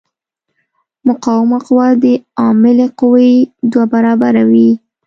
مقاومه قوه د عاملې قوې دوه برابره وي.